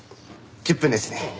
１０分ですね。